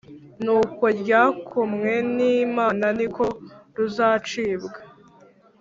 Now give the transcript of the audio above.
Nuko rwakomwe n`Imana niko ruzacibwa